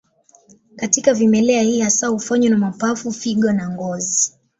Katika vimelea hii hasa hufanywa na mapafu, figo na ngozi.